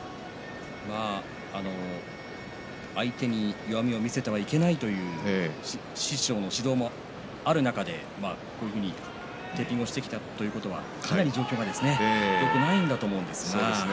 相手に弱みを見せてはいけないという師匠の指導もある中でテーピングをしてきたということは、かなり状況がよくないんだと思うんですが。